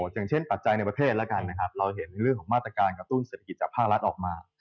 อย่างเช่นปัจจัยในประเทศแล้วกันนะครับเราเห็นในเรื่องของมาตรการกระตุ้นเศรษฐกิจจากภาครัฐออกมา